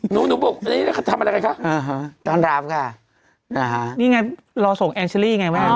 หนูหนูบอกอันนี้ทำอะไรกันคะต้อนรับค่ะนี่ไงรอส่งแอนเชอรี่ไงแม่